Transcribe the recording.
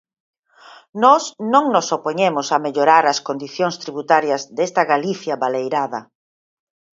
Nós non nos opoñemos a mellorar as condicións tributarias desta Galicia baleirada.